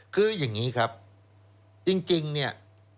คืออย่างนี้ครับจริงเนี่ย